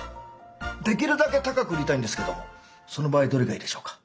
できるだけ高く売りたいんですけどその場合どれがいいでしょうか？